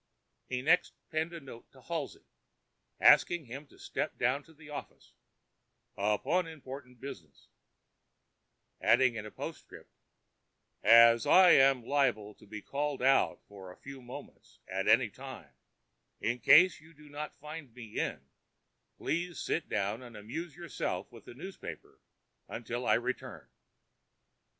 He next penned a note to Halsey, asking him to step down to the office "upon important business;" adding in a postscript, "As I am liable to be called out for a few moments at any time, in case you do not find me in, please sit down and amuse yourself with the newspaper until I return."